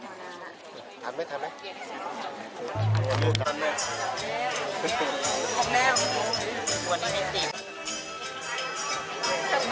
เป็นการต้องเรียกภาพชาติจูบครึ่งดูตัวเราต้องเรียกภาพแรกละอ่า